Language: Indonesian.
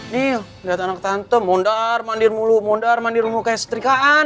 nih liat anak tante mondar mandir mulu kayak setrikaan